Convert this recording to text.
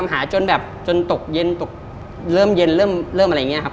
หาจนแบบจนตกเย็นตกเริ่มเย็นเริ่มอะไรอย่างนี้ครับ